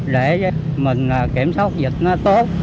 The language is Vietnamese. để mình kiểm soát dịch nó tốt